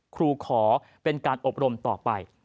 ครูขอเป็นการอบรมต่อไป